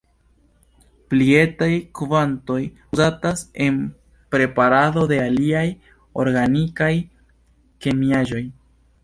Pli etaj kvantoj uzatas en preparado de aliaj organikaj kemiaĵoj.